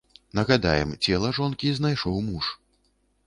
Нагадаем, цела жонкі знайшоў муж.